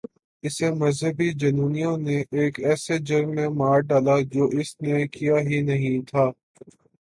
اسے مذہبی جنونیوں نے ایک ایسے جرم میں مار ڈالا جو اس نے کیا ہی نہیں تھا۔